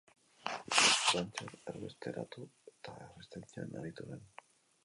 Frantzian erbesteratu eta erresistentzian aritu zen.